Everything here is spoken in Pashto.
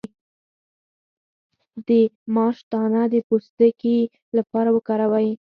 د ماش دانه د پوستکي لپاره وکاروئ